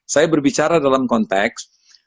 saya berbicara dalam konteks